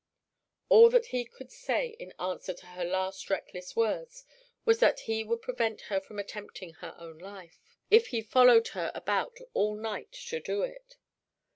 All that he could say in answer to her last reckless words was that he would prevent her from attempting her own life, if he followed her about all night to do it.